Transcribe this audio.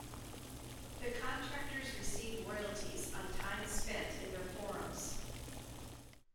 The contractors received royalties on time spent in their forums.